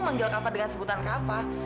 manggil kava dengan sebutan kava